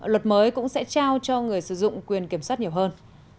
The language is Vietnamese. luật mới cũng sẽ trao cho người sử dụng quyền kiểm soát nhiều hơn